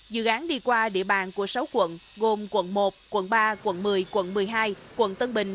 dự án đi qua địa bàn của sáu quận gồm quận một quận ba quận một mươi quận một mươi hai quận tân bình